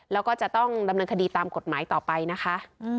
แล้วก็จะต้องดำเนินคดีตามกฎหมายต่อไปนะคะ